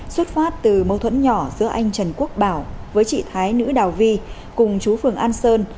xuất phát từ mâu thuẫn nhỏ giữa anh trần quốc bảo với chị thái nữ đào vi cùng chú phường an sơn